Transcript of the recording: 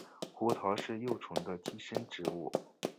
胡桃是幼虫的寄主植物。